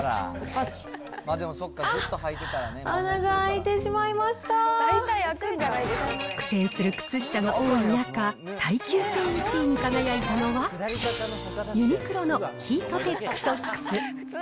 ７、８、あっ、苦戦する靴下が多い中、耐久性１位に輝いたのは、ユニクロのヒートテックソックス。